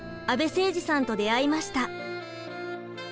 阿部誠二さんと出会いました。